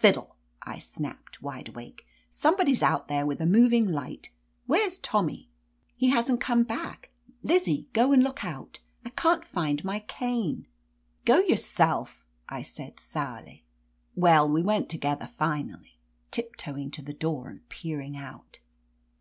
Tiddle!" I snapped, wide awake. "Some body's out there with a moving light. Where's Tommy ?" "He hasn't come back. Lizzie, go and look out. I can't find my cane." "Go yourself !" I said sourly. Well, we went together, finally, tiptoeing to the door and peering out.